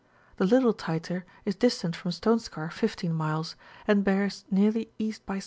The Little Tyter is distant from Ston^ar 15 miles, and bears nearly E. by S.